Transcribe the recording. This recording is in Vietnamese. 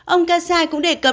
ông katsai cũng đề cập